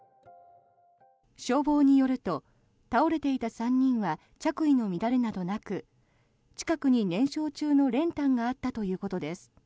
消防によると倒れていた３人は着衣の乱れなどなく近くに燃焼中の練炭があったということです。